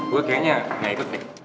gue kayaknya gak ikut deh